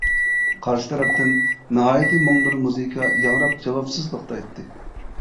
قارشى تەرەپتىن ناھايىتى مۇڭ بىر مۇزىكا ياڭراپ، جاۋابسىز توختايتتى.